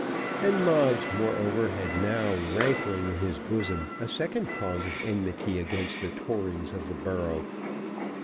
And Moggs, moreover, had now rankling in his bosom a second cause of enmity against the Tories of the borough.